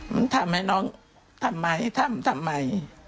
มันทำให้น้องทำไมทำทำไม